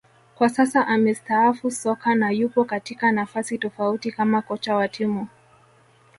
Kwa sasa amestaafu soka na yupo katika nafasi tofauti kama kocha wa timu